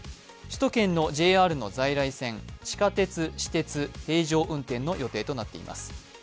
首都圏のＪＲの在来線、地下鉄、私鉄、平常どおりの運転となっています。